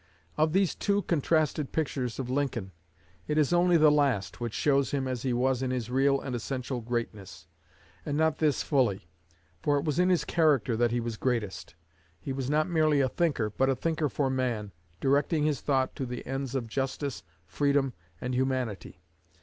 Of these two contrasted pictures of Lincoln, it is only the last which shows him as he was in his real and essential greatness. And not this fully; for it was in his character that he was greatest. He was not merely a thinker, but a thinker for man, directing his thought to the ends of justice, freedom, and humanity.